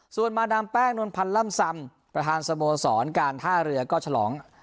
ส่วนมาดามแป้งนวลพันธ์ล่ำซำประธานสโมสรการท่าเรือก็ฉลอง